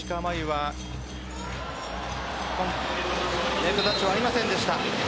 ネットタッチはありませんでした。